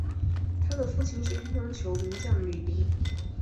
他的父亲是乒乓球名将吕林。